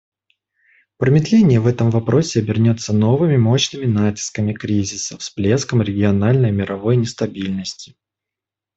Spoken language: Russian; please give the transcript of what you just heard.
Промедление в этом вопросе обернется новыми мощными натисками кризиса, всплеском региональной и мировой нестабильности.